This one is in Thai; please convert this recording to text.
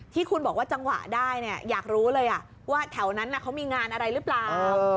ที่คุณบอกว่าจังหวะได้เนี่ยอยากรู้เลยว่าแถวนั้นเขามีงานอะไรหรือเปล่า